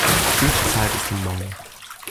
Blütezeit ist im Mai.